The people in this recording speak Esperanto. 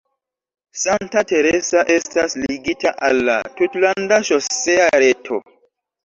Santa Teresa estas ligita al la tutlanda ŝosea reto.